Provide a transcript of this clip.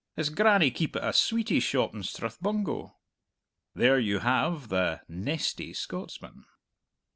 His grannie keepit a sweetie shop in Strathbungo." There you have the "nesty" Scotsman.